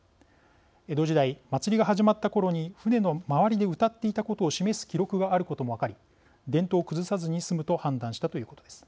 江戸時代祭りが始まった頃に船の周りで謡っていたことを示す記録があることも分かり伝統を崩さずに済むと判断したということです。